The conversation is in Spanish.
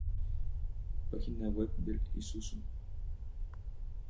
Página web de Isuzu